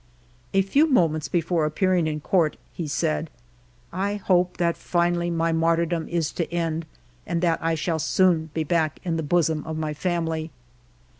A few moments before appearing in Court he said, " I hope that finally my martyrdom is to end, and that I shall soon be back in the bosom of my family."